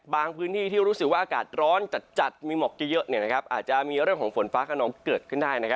พื้นที่ที่รู้สึกว่าอากาศร้อนจัดมีหมอกเยอะอาจจะมีเรื่องของฝนฟ้าขนองเกิดขึ้นได้